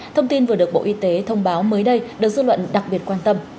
thông tin vừa được bộ y tế thông báo mới đây được dư luận đặc biệt quan tâm